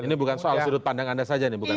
ini bukan soal sudut pandang anda saja nih